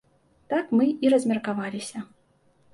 Так мы і размеркаваліся.